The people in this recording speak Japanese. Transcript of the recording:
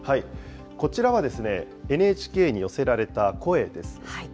こちらは、ＮＨＫに寄せられた声です。